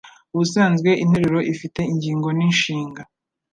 Ubusanzwe interuro ifite ingingo ninshinga.